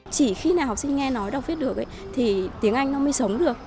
chỉ khi nào học sinh nghe nói đọc viết được thì tiếng anh nó mới sống được